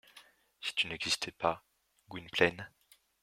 Si tu n’existais pas, Gwynplaine. ..